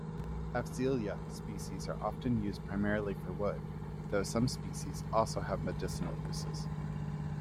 "Afzelia" species are used primarily for wood, though some species also have medicinal uses.